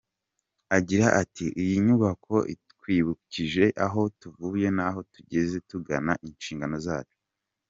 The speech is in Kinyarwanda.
Agira ati “Iyi nyubako itwibukije aho tuvuye n’aho tugeze tugana inshingano zacu.